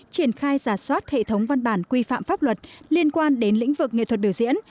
triển khai giả soát hệ thống văn bản quy phạm pháp luật liên quan đến lĩnh vực nghệ thuật biểu diễn